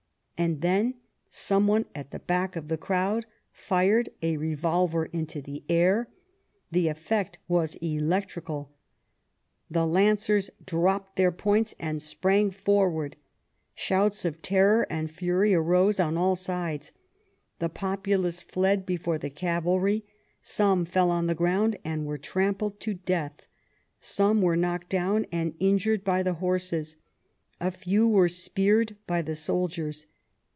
And then some one at the back of the crowd fired a revolver into the air. The effect was electrical. The Lancers dropped their points and sprang forward. Shouts of terror and fury arose on all sides. The populace fled before the cavalry; some fell on the ground and were trampled to death; some were knocked down and injured by the horses; a few were speared by the soldiers.